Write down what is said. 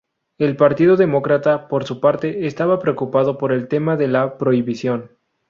El Partido Demócrata por su parte, estaba preocupado por el tema de la prohibición.